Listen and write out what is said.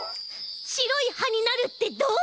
しろいはになるってどう？